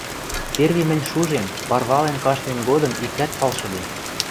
Перви мӹнь шужен, парвален каштмем годым иктӓт палшыде.